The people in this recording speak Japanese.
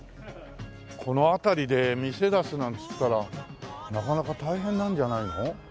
この辺りで店出すなんつったらなかなか大変なんじゃないの？